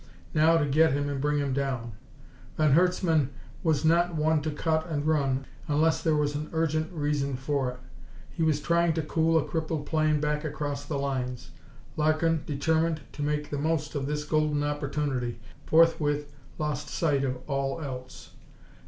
Now to get him and bring him down! Von Herzmann was not one to cut and run unless there was an urgent reason for it. He was trying to tool a crippled plane back across the lines. Larkin, determined to make the most of this golden opportunity, forthwith lost sight of all else.